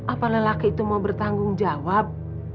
apalagi laki itu mau bertanggung jawab